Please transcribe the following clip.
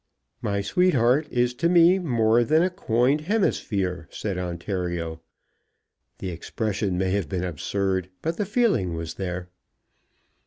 "My sweetheart is to me more than a coined hemisphere," said Ontario. The expression may have been absurd, but the feeling was there.